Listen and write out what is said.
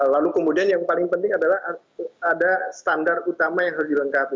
lalu kemudian yang paling penting adalah ada standar utama yang harus dilengkapi